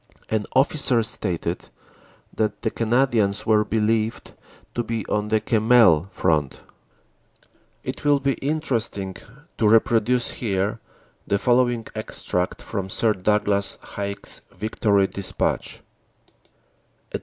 An officer stated that the Canadians were believed to be on the Kemmel front. OPERATIONS : AUG. 8 41 It will be interesting to reproduce here the following extract from Sir Douglas Haig s "Victory Dispatch": "At 4.